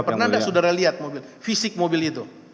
pernah tidak saudara lihat mobil fisik mobil itu